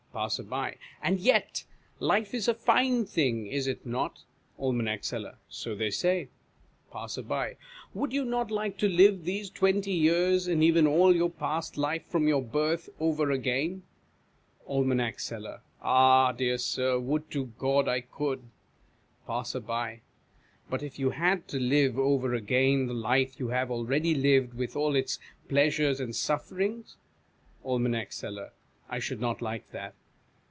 Passer. And yet life is a fine thing, is it not ? Aim. Seller. So they say. i8o DIALOGUE BETWEEN Passer. Would you not like to live these twenty years, and even all your past life from your birth, over again ? Aim. Seller. Ah, dear Sir, would to God I could ! Passer. But if you had to live over again the life you have already lived, with all its pleasures and sufferings ? Aim. Seller. I should not like that.